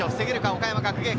岡山学芸館。